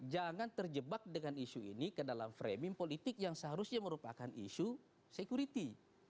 jangan terjebak dengan isu ini ke dalam framing politik yang seharusnya merupakan isu security